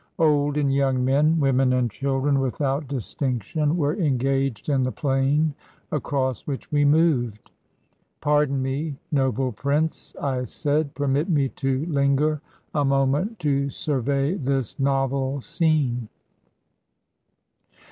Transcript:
Old and young men, women, and childrenj 123 EGYPT without distinction, were engaged in the plain across which we moved. ''Pardon me, noble prince," I said; "permit me to linger a moment to survey this novel scene."